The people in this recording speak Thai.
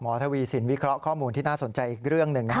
ทวีสินวิเคราะห์ข้อมูลที่น่าสนใจอีกเรื่องหนึ่ง